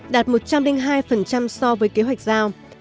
đạt một trăm linh hai so với kế hoạch giao